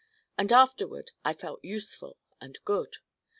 And afterward I felt useful and good.